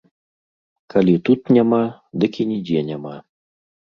Калі тут няма, дык і нідзе няма.